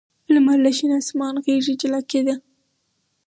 لمر له شین اسمان غېږې جلا کېده.